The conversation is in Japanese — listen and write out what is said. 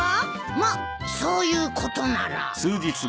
まっそういうことなら。